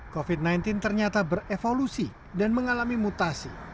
covid sembilan belas ternyata berevolusi dan mengalami mutasi